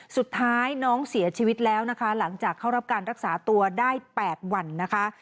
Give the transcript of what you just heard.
สุดท้ายน้องเสียชีวิตแล้วนะคะหลังจากเข้ารับการรักษาตัวได้๘วันนะคะ